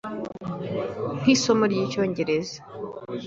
Nk’isomo ry’Icyongereza